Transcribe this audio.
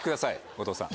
後藤さん。